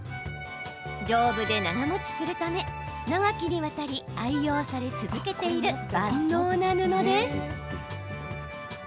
丈夫で長もちするため長きにわたり愛用され続けている万能な布です。